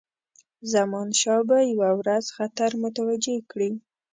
زمانشاه به یو ورځ خطر متوجه کړي.